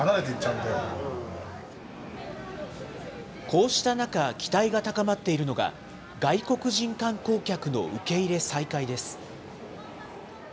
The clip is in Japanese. こうした中、期待が高まっているのが、外国人観光客の受け入れ再開です。